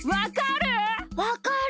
わかる？